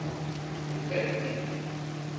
Ifak.